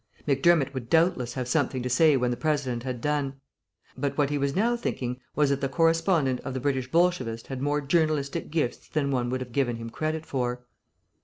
Macdermott would doubtless have something to say when the President had done. But what he was now thinking was that the correspondent of the British Bolshevist had more journalistic gifts than one would have given him credit for.